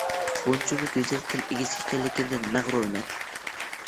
بۇنچىمۇ گۈزەل تىل ئىگىسى ئىكەنلىكىمدىن مەغرۇرمەن.